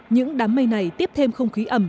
những đám mây này tiếp thêm không khí ẩm